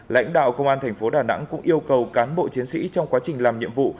lãnh đạo công an thành phố đà nẵng cũng yêu cầu cán bộ chiến sĩ trong quá trình làm nhiệm vụ